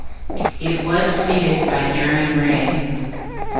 It was created by Aran Rei.